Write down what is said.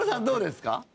どうですか？